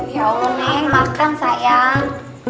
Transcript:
ya allah neng makan sayang